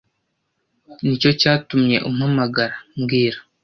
Nicyo cyatumye umpamagara mbwira